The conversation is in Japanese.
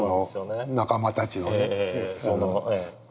仲間たちのね。